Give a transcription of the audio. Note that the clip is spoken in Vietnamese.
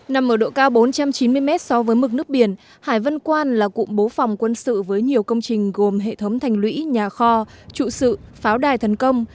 nằm ở độ cao bốn trăm chín mươi mét so với mực nước biển hải vân quan là cụm bố phòng quân sự với nhiều công trình gồm hệ thống thành lũy nhà kho trụ sự pháo đài thần công